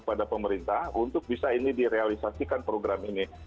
kepada pemerintah untuk bisa ini direalisasikan program ini